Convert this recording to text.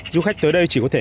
du khách tới đây chỉ có thể